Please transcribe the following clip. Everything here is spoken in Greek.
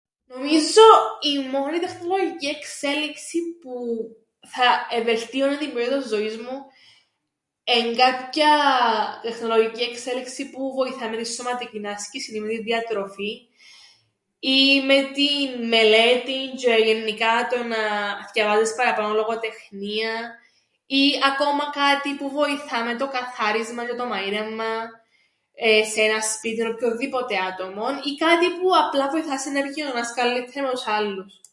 Νομίζω η μόνη τεχνολογική εξέλιξη που θα εβελτίωννεν την ποιότηταν ζωής μου εν' κάποια τεχνολογική εξέλιξη που βοηθά με την σωματικήν άσκησην ή με την διατροφην ή με την μελέτην τζ̆αι γεννικά το να θκιαβάζεις παραπάνω λογοτεχνίαν ή ακόμα κάτι που βοηθά με το καθάρισμαν τζ̆αι μαείρεμμαν σε έναν σπίτιν οποιονδήποτε άτομον, ή κάτι που απλά βοηθά σε να επικοινωνάς καλλύττερα με τους άλλους.